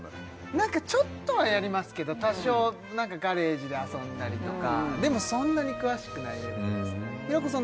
何かちょっとはやりますけど多少ガレージで遊んだりとかでもそんなに詳しくないレベルです平子さん